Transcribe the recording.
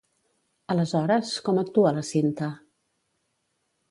Aleshores, com actua la Cinta?